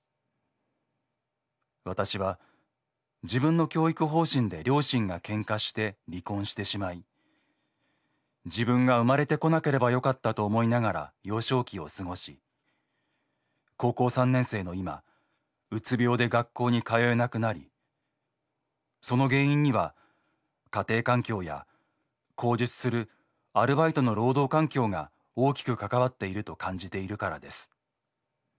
私は自分の教育方針で両親が喧嘩して離婚してしまい自分が生まれて来なければ良かったと思いながら幼少期を過ごし高校３年生の今うつ病で学校に通えなくなりその原因には家庭環境や後述するアルバイトの労働環境が大きく関わっていると感じているからです。